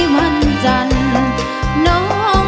ไม่ค่ารั้งไม่สงสัย